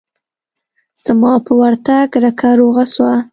زما په ورتگ رکه روغه سوه.